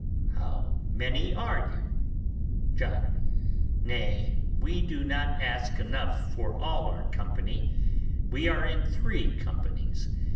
How many are you? John. Nay, we do not ask enough for all our company; we are in three companies.